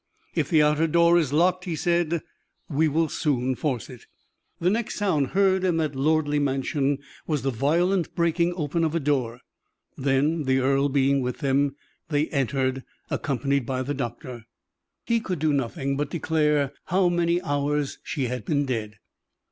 "If the outer door is locked," he said, "we will soon force it." The next sound heard in that lordly mansion was the violent breaking open of a door; then, the earl being with them, they entered, accompanied by the doctor. He could do nothing but declare how many hours she had been dead.